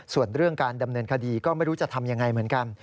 ส่วนเรื่องการดำเนินคดีก็ไม่รู้จะทำยังไงเหมือนกัน